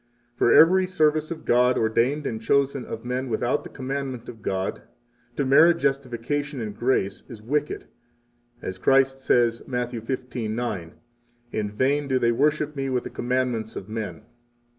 For every service of God, ordained and chosen of men without the commandment of God to merit justification and grace, is wicked, as Christ says Matt. 15:9: 37 In vain do they worship Me with the commandments of men.